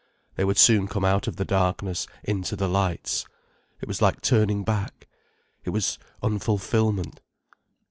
They would soon come out of the darkness into the lights. It was like turning back. It was unfulfilment.